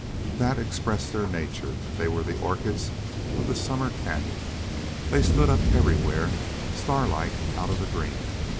That expressed their nature. They were the orchids of the summer cañon. They stood up everywhere starlike out of the green.